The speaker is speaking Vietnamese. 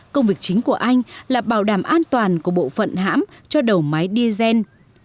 công việc chính của anh là bảo đảm an toàn của bộ phận hãm cho đầu máy diesel